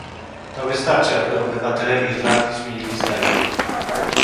To wystarczy, aby obywatele Irlandii zmienili zdanie